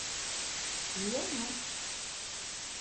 Biliyor mu?